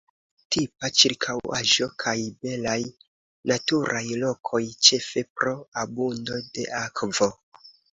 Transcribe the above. Tipa ĉirkaŭaĵo kaj belaj naturaj lokoj ĉefe pro abundo de akvo.